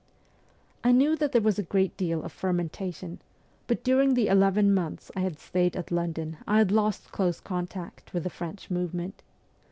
I knew that there was a great deal of fermentation, but during the eleven months I had stayed at London I had lost close contact with the French movement.